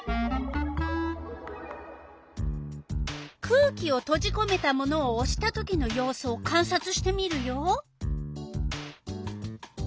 「空気をとじこめたもの」をおしたときの様子をかんさつしてみるよ。